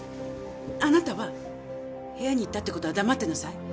あなたは部屋に行ったって事は黙ってなさい。